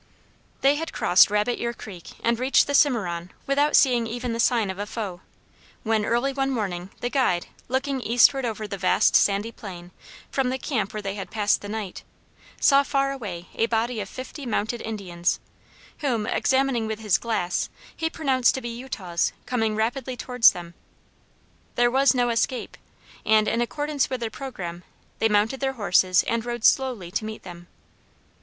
They had crossed Rabbit ear Creek and reached the Cimarron, without seeing even the sign of a foe, when, early one morning, the guide, looking eastward over the vast sandy plain, from the camp where they had passed the night, saw far away a body of fifty mounted Indians, whom, after examining with his glass, he pronounced to be Utahs coming rapidly towards them. There was no escape, and, in accordance with their programme, they mounted their horses and rode slowly to meet them.